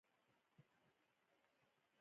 هره لوبه یو پیغام لري.